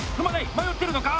迷ってるのか！